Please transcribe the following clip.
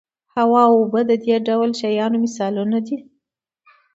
هوا او اوبه د دې ډول شیانو مثالونه دي.